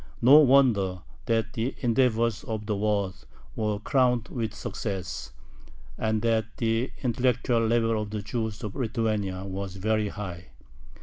No wonder that the endeavors of the Waad were crowned with success, and that the intellectual level of the Jews of Lithuania was very high.